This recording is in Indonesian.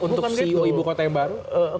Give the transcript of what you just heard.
untuk ceo ibu kota yang baru